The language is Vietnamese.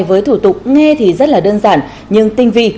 với thủ tục nghe thì rất là đơn giản nhưng tinh vi